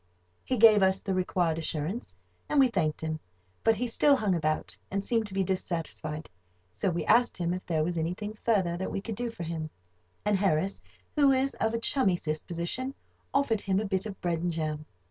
He gave us the required assurance, and we thanked him, but he still hung about, and seemed to be dissatisfied, so we asked him if there was anything further that we could do for him; and Harris, who is of a chummy disposition, offered him a bit of bread and jam.